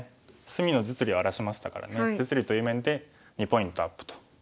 隅の実利を荒らしましたからね実利という面で２ポイントアップと。